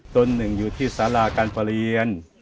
ต้นหนึ่งอยู่ที่ศาลาการภรรยียัน